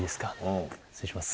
失礼します。